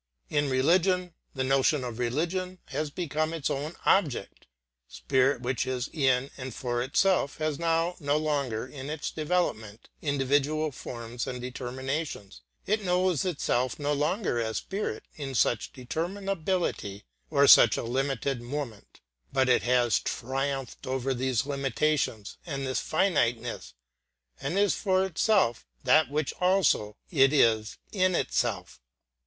In religion, the Notion of religion has become its own object. Spirit which is in and for itself has now no longer in its development individual forms and determinations, it knows itself no longer as spirit in such determinability or such a limited moment; but it has triumphed over these limitations and this finiteness, and is for itself that which also it is in itself.